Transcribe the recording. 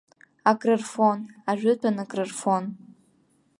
Акрырфон, ажәытәан акрырфон.